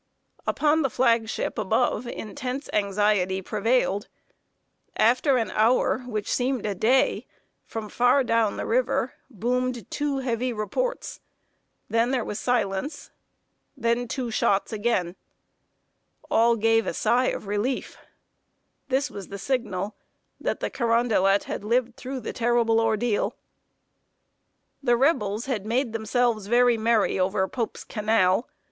Upon the flag ship above intense anxiety prevailed. After an hour, which seemed a day, from far down the river boomed two heavy reports; then there was silence, then two shots again. All gave a sigh of relief. This was the signal that the Carondelet had lived through the terrible ordeal! [Sidenote: WONDERFUL FEAT OF POPE'S ENGINEERS.] The Rebels had made themselves very merry over Pope's canal.